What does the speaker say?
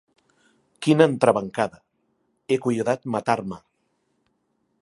Quina entrebancada: he cuidat matar-me.